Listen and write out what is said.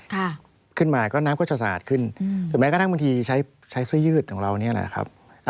ขึ้นมาก็น้ำก็จะสะอาดขึ้นอืมหรือแม้กระทั่งบางทีใช้ใช้เสื้อยืดของเราเนี่ยนะครับ